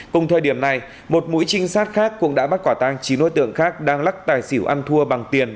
cùng thời điểm này một mũi trinh sát khác cũng đã bắt quả tang chín đối tượng khác đang lắc tài xỉu ăn thua bằng tiền